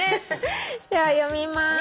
では読みます。